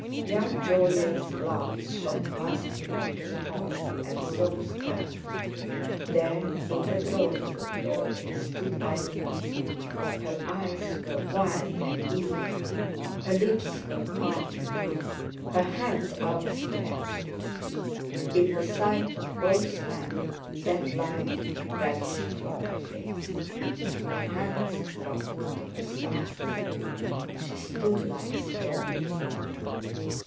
Young Jolyon's glance shot past him into the hall, and Soames turned. There in the drawing room doorway stood Irene, her eyes were wild and eager, her lips were parted, her hands outstretched. In the sight of both men that light vanished from her face; her hands dropped to her sides; she stood like stone.